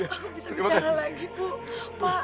aku bisa bicara lagi bu